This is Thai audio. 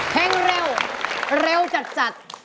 เพลงเร็วเร็วจัด